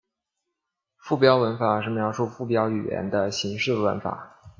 附标文法是描述附标语言的形式文法。